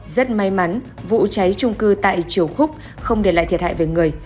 rất may mắn vụ cháy trung cư tại triều khúc không để lại thiệt hại về người